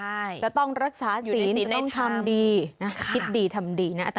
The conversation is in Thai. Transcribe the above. ใช่จะต้องรักษาศีลต้องทำดีนะคิดดีทำดีนะ